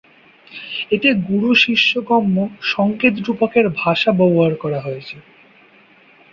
এতে গুরু-শিষ্যগম্য সঙ্কেত-রূপকের ভাষা ব্যবহার করা হয়েছে।